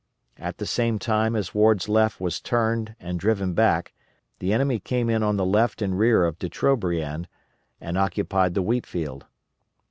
At the same time as Ward's left was turned and driven back the enemy came in on the left and rear of De Trobriand, and occupied the wheat field.